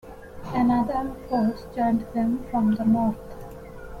Another force joined them from the north.